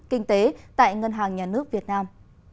kinh tế tại ngân hàng nhà nước việt nam